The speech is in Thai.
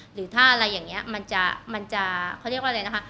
หรือถ้าอะไรอย่างนี้มันจะเขาเรียกว่าอะไรนะคะ